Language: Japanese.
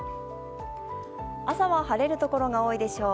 朝は晴れるところが多いでしょう。